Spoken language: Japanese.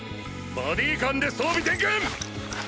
バディ間で装備点検ッ。